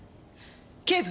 警部！